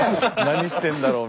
「何してんだろう？」